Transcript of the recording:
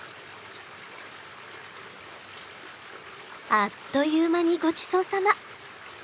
あっという間にごちそうさま。